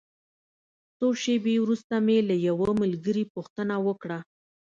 څو شېبې وروسته مې له یوه ملګري پوښتنه وکړه.